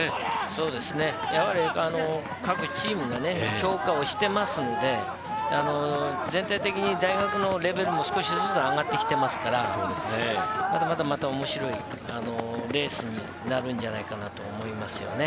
そうですね、各チームが評価をしてますので、全体的に大学のレベルも少しずつ上がってきていますので、また面白いレースになるんじゃないかなと思いますよね。